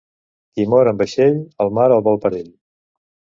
Qui mor en vaixell, el mar el vol per ell.